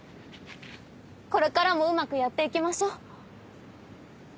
これからもうまくやっていきましょう。